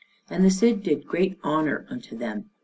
And the Cid did great honor unto them.